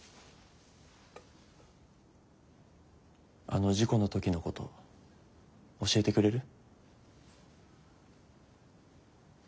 あの事故の時のこと教えてくれる？